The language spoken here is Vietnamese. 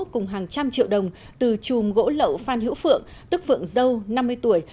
cùng hàng trăm triệu đồng từ chùm gỗ lậu phan hữu phượng tức phượng dâu năm mươi tuổi